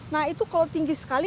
nah itu kalau tinggi sekali